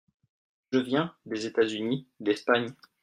Je viens (des États-Unis, d'Espagne).